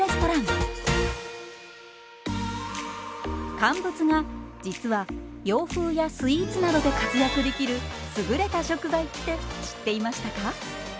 乾物が実は洋風やスイーツなどで活躍できる優れた食材って知っていましたか？